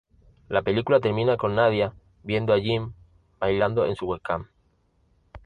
La película termina con Nadia viendo a Jim bailando en su webcam.